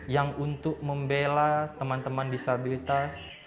yang untuk membela teman teman disabilitas